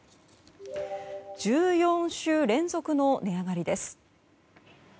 １４週連続の値上がりです。